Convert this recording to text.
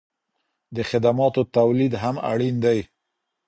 د خدماتو تولید هم اړین دی.